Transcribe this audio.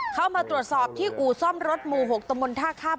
เข้ามาตรวจสอบที่อู่ซ่อมรถหมู่๖ตมท่าข้าม